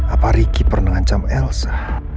apa ricky pernah ngancam elsa